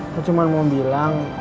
aku cuma mau bilang